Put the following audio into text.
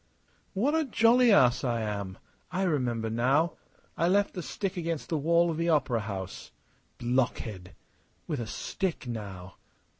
"What a jolly ass I am! I remember now. I left the stick against the wall of the opera house. Blockhead! With a stick, now!...